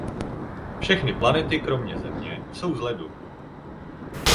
Všechny planety kromě Země jsou z ledu.